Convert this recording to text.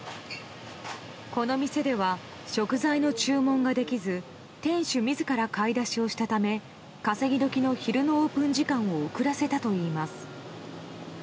この店では食材の注文ができず店主自ら買い出しをしたため稼ぎ時の昼のオープン時間を遅らせたといいます。